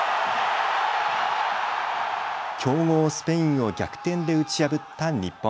強豪スペインを逆転で打ち破った日本。